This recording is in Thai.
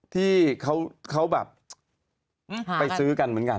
ที่เขาแบบไปซื้อกันเหมือนกัน